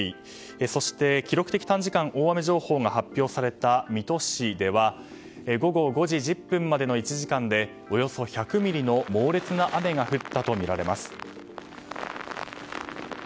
そして、記録的短時間大雨情報が発表された水戸市では午後５時１０分までの１時間でおよそ１００ミリの猛烈な雨が降ったとみられます。